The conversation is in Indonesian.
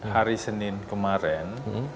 hari senin kemarin